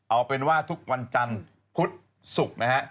เอาเป็นว่าทุกวันจันทร์พุธศุกร์นะฮะ